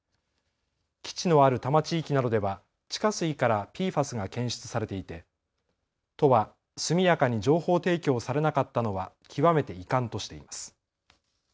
基地のある多摩地域などでは地下水からＰＦＡＳが検出されていて都は速やかに情報提供されなかったのは極めて遺憾としています。